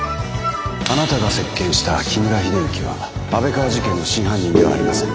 あなたが接見した木村秀幸は安倍川事件の真犯人ではありません。